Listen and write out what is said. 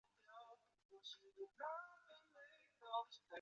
制作成员和原作一样。